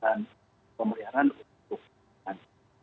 dan pemerintahan untuk pilihan